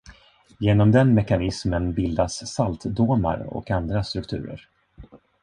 Genom den mekanismen bildas saltdomar och andra strukturer.